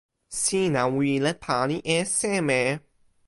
sina wile pali e seme?